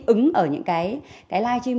ứng ở những cái live stream